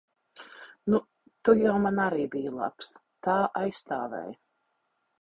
Nu, tu jau man arī biji labs. Tā aizstāvēji.